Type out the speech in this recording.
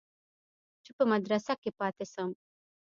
چې په مدرسه کښې پاته سم.